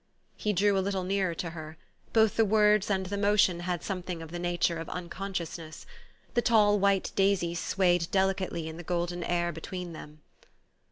He drew a little nearer to her. Both the words and the motion had something of the nature of unconsciousness. The tall white daisies swayed delicately in the golden air between them.